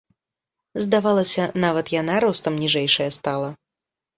Здавалася, нават яна ростам ніжэйшая стала.